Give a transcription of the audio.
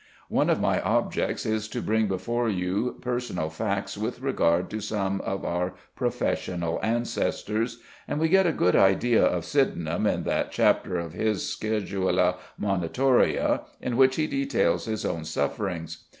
One of my objects is to bring before you personal facts with regard to some of our professional ancestors, and we get a good idea of Sydenham in that chapter of his "Schedula Monitoria" in which he details his own sufferings.